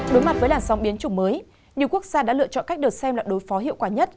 đối mặt với làn sóng biến chủng mới nhiều quốc gia đã lựa chọn cách được xem là đối phó hiệu quả nhất